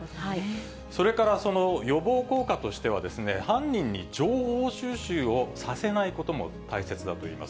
それから予防効果としては、犯人に情報収集をさせないことも大切だといいます。